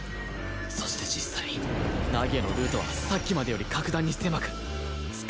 そして実際凪へのルートはさっきまでより格段に狭く少なくなってる